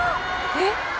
えっ？